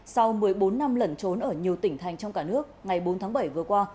sau một mươi bốn năm lẩn trốn ở nhiều tỉnh thành trong cả nước ngày bốn tháng bảy vừa qua